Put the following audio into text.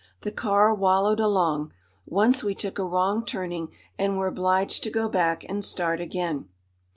The car wallowed along. Once we took a wrong turning and were obliged to go back and start again.